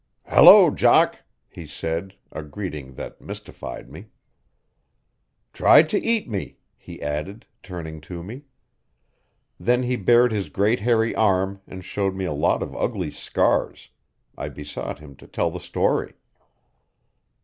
'Hello Jock!' he said, a greeting that mystified me. 'Tried to eat me,' he added, turning to me. Then he bared his great hairy arm and showed me a lot of ugly scars, I besought him to tell the story.